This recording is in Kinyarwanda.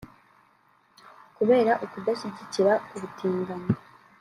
Kubera ukudashyigikira ubutinganyi